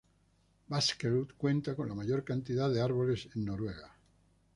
Buskerud cuenta con la mayor cantidad de árboles en Noruega.